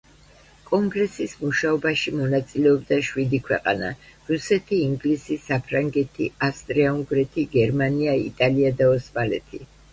კონგრესის მუშაობაში მონაწილეობდა შვიდი ქვეყანა: რუსეთი, ინგლისი, საფრანგეთი, ავსტრია-უნგრეთი, გერმანია, იტალია და ოსმალეთი.